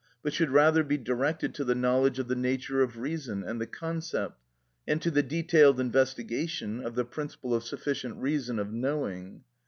but should rather be directed to the knowledge of the nature of reason and the concept, and to the detailed investigation of the principle of sufficient reason of knowing.